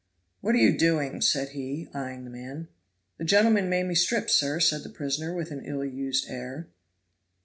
"What are you doing?" said he, eying the man. "The gentleman made me strip, sir," said the prisoner with an ill used air.